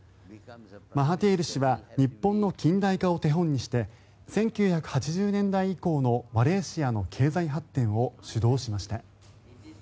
マハティール氏は日本の近代化を手本にして１９８０年代以降のマレーシアの経済発展を主導しました。